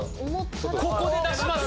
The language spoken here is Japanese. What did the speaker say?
ここで出します！